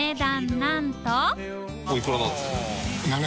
なんとおいくらなんですか？